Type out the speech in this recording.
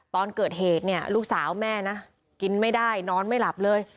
ตอนเกิดเหตุเนี่ยลูกสาวแม่นะกินไม่ได้นอนไม่หลับเลย